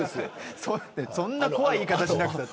そんな怖い言い方しなくても。